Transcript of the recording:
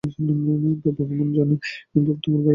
ভগবান জানেন, বুবু তোমার বাড়ির ঠিকানা কীভাবে পেয়েছিল।